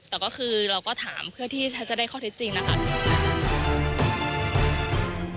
แต่ก็คือเราก็ถามเพื่อที่จะได้ข้อเท็จจริงนะคะ